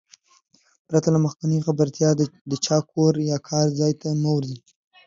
پرته له مخکينۍ خبرتيا د چا کور يا کار ځاى ته مه ورځٸ.